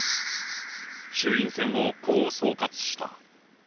衆院選をこう総括した。